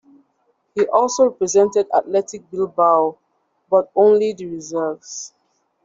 He also represented Athletic Bilbao, but only the reserves.